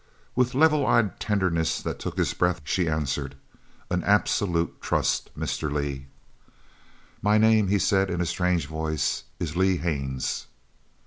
With level eyed tenderness that took his breath, she answered: "An absolute trust, Mr. Lee." "My name," he said in a strange voice, "is Lee Haines."